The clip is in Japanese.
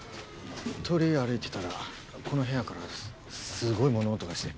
通りを歩いてたらこの部屋からすごい物音がして。